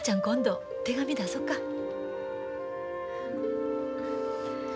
今度手紙出そか。